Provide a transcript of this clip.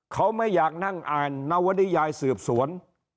เขาไม่อยากนั่งอ่านนวนิยายสืบสวน